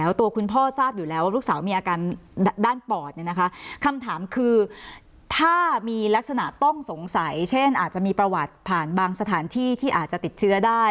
แล้วตัวคุณพ่อทราบอยู่แล้วว่าลูกสาวมีอาการด้านปอดเนี่ยนะคะคำถามคือถ้ามีลักษณะต้องสงสัยเช่นอาจจะมีประวัติผ่านบางสถานที่ที่อาจจะติดเชื้อได้